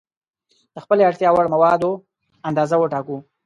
د خپلې اړتیا وړ موادو اندازه وټاکو.